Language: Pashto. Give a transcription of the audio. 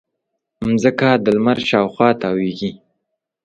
مځکه د لمر شاوخوا تاوېږي.